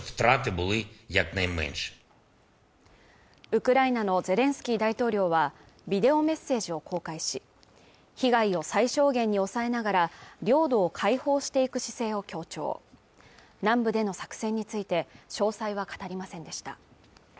ウクライナのゼレンスキー大統領はビデオメッセージを公開し被害を最小限に抑えながら領土を解放していく姿勢を強調南部での作戦について詳細は語りませんでした